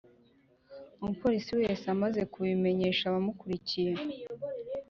Umupolisi wese amaze kubimenyesha abamukuriye